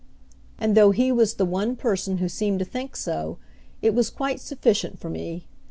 and though he was the one person who seemed to think so it was quite sufficient for me.